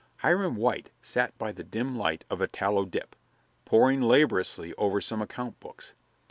Hiram White sat by the dim light of a tallow dip, poring laboriously over some account books.